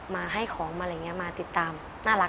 มาให้ของมาอะไรอย่างนี้มาติดตามน่ารัก